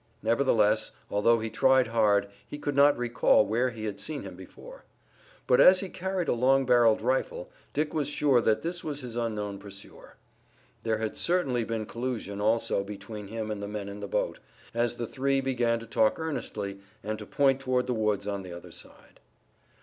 Nevertheless, although he tried hard, he could not recall where he had seen him before. But, as he carried a long barreled rifle, Dick was sure that this was his unknown pursuer. There had certainly been collusion also between him and the men in the boat, as the three began to talk earnestly, and to point toward the woods on the other side.